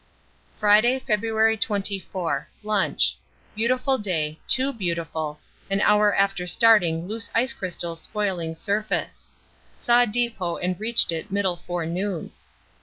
Friday, February 24. Lunch. Beautiful day too beautiful an hour after starting loose ice crystals spoiling surface. Saw depot and reached it middle forenoon.